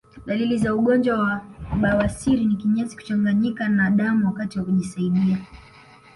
Dalili za ugonjwa wa bawasiri ni Kinyesi kuchanganyika na damu wakati wa kujisaidia